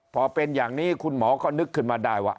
พอเป็นอย่างนี้คุณหมอก็นึกขึ้นมาได้ว่า